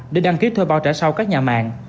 để đăng ký thuê bao trả sau các nhà mạng